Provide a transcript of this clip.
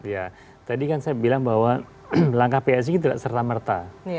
ya tadi kan saya bilang bahwa langkah psi tidak serta merta